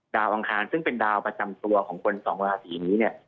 อังคารซึ่งเป็นดาวประจำตัวของคนสองราศีนี้เนี่ย